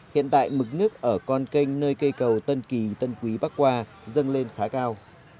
hiện tại mực nước ở con canh nơi cây cầu tân kỳ tân quý bắc qua dâng lên khá cao